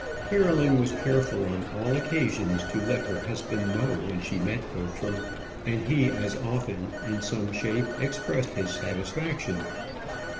Caroline was careful on all occasions to let her husband know when she met Bertram, and he as often, in some shape, expressed his satisfaction.